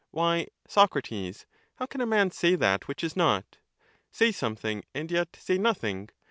Why, Socrates, how can a man say that which is not? — say something and yet say nothing?